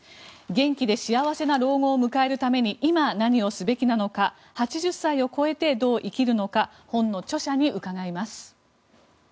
元気で幸せな老後を迎えるために今、何をすべきなのか８０歳を超えてどう生きるのか本の著者に伺います。